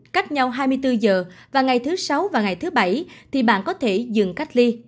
cách nhau hai mươi bốn giờ và ngày thứ sáu và ngày thứ bảy thì bạn có thể dừng cách ly